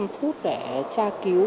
bốn mươi năm phút để tra cứu